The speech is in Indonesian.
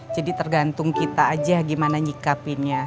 jadi tergantung kita aja gimana nyikapinnya